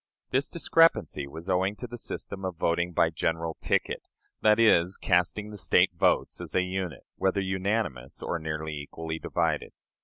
This discrepancy was owing to the system of voting by "general ticket" that is, casting the State votes as a unit, whether unanimous or nearly equally divided.